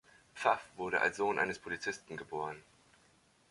Pfaff wurde als Sohn eines Polizisten geboren.